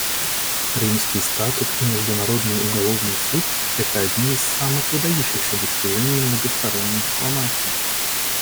Римский статут и Международный уголовный суд — это одни из самых выдающихся достижений многосторонней дипломатии.